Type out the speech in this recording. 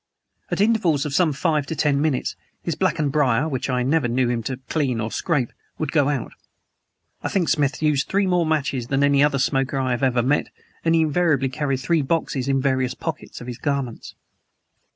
At intervals of some five to ten minutes, his blackened briar (which I never knew him to clean or scrape) would go out. I think Smith used more matches than any other smoker I have ever met, and he invariably carried three boxes in various pockets of his garments.